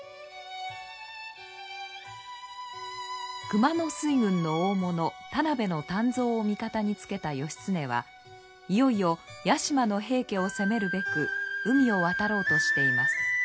熊野水軍の大物田辺の湛増を味方につけた義経はいよいよ屋島の平家を攻めるべく海を渡ろうとしています。